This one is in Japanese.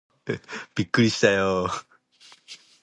びっくりしたよー